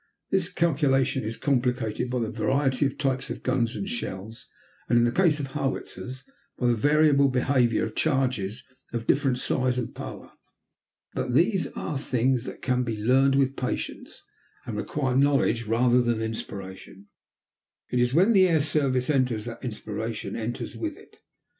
This calculation is complicated by the variety of types of guns and shells, and, in the case of howitzers, by the variable behavior of charges of different size and power. But these are things that can be learned with patience, and require knowledge rather than inspiration. It is when the air service enters that inspiration enters with it.